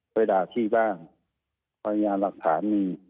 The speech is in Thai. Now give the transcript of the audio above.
ไปด่าพี่บ้างพยานหลักฐานมี